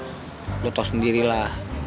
nah toto sendiri lah